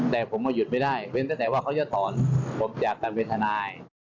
แต่ผมก็หยุดไม่ได้เว้นตั้งแต่ว่าเขาจะถอนผมจากการเป็นทนาย